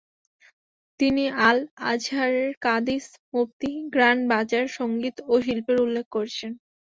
তিনি আল-আজহারের কাদিস, মুফতি, গ্র্যান্ড বাজার, সংগীত ও শিল্পের উল্লেখ করেছেন।